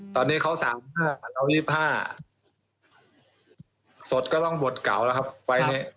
ตอนนี้เขาสามห้าแล้วยิบห้าสดก็ต้องบดเก๋าแล้วครับไปนี้